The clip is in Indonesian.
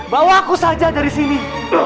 bawa aku saja dari sini